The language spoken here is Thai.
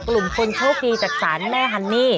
กลุ่มคนโชคดีจากศาลแม่ฮันนี่